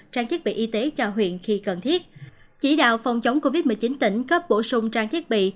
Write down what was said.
trang thiết bị y tế cho huyện khi cần thiết chỉ đạo phòng chống covid một mươi chín tỉnh cấp bổ sung trang thiết bị